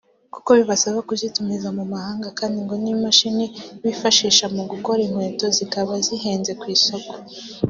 kuko bibasaba kuzitumiza mu mahanga kandi ngo n'imashini bifashisha mu gukora inkweto zikaba zihenze ku isoko